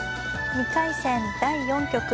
２回戦第４局。